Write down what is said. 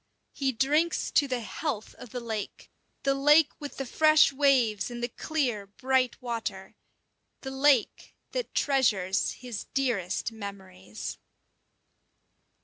He drinks to the health of the lake, the lake with the fresh waves and the clear, bright water the lake that treasures his dearest memories.